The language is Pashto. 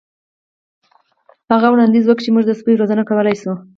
هغه وړاندیز وکړ چې موږ د سپیو روزنه کولی شو